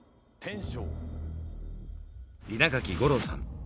稲垣吾郎さん